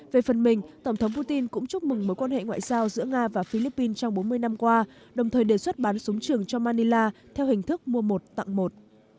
về phần mình tổng thống putin cũng chúc mừng mối quan hệ ngoại giao giữa nga và philippines trong bốn mươi năm qua đồng thời đề xuất bán súng trường cho manila theo hình thức mua một tặng một